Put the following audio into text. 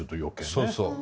そうそう。